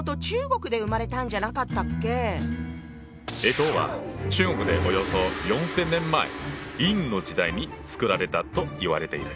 干支は中国でおよそ４，０００年前殷の時代に作られたといわれている。